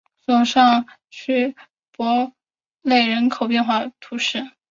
尚索尔地区圣博内人口变化图示